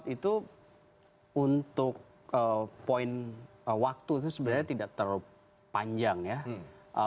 dua ribu dua puluh empat itu untuk poin waktu itu sebenarnya tidak terlalu panjang ya